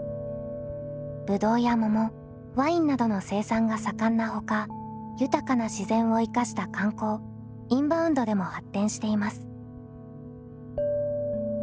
ぶどうや桃ワインなどの生産が盛んなほか豊かな自然を生かした観光インバウンドでも発展しています。